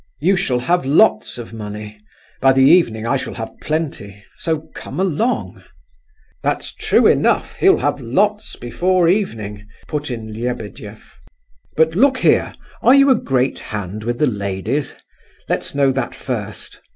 "You shall have lots of money; by the evening I shall have plenty; so come along!" "That's true enough, he'll have lots before evening!" put in Lebedeff. "But, look here, are you a great hand with the ladies? Let's know that first?"